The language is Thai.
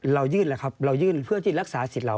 เรายื่นแล้วครับเรายื่นเพื่อที่รักษาสิทธิ์